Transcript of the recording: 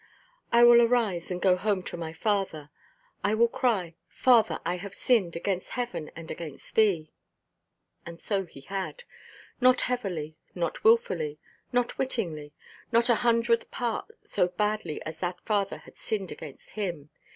"I will arise, and go home to my father. I will cry, 'Father, I have sinned against heaven, and against thee.'" And so he had. Not heavily, not wilfully, not wittingly, not a hundredth part so badly as that father had sinned against him.